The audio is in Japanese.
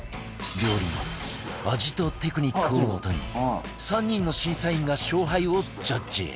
料理の味とテクニックをもとに３人の審査員が勝敗をジャッジ